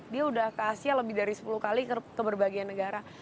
dia udah ke asia lebih dari sepuluh kali ke berbagai negara